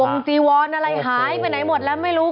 โฮโฮโฮสีว้อนอะไรหายไปไหนหมดแล้วไม่รู้